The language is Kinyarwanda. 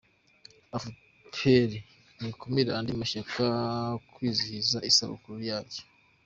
Efuperi ntikumira andi mashyaka kwizihiza isabukuru yayo